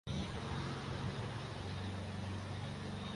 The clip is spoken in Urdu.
اب یہ کس پوزیشن میں ہیں کہ بطور وزیر داخلہ کوئی حکم دیں